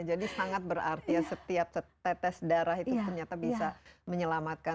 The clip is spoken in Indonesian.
jadi sangat berarti ya setiap tetes darah itu ternyata bisa menyelamatkan